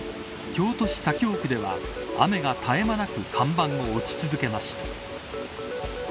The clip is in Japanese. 京都市左京区では雨が絶え間なく看板を打ち続けました。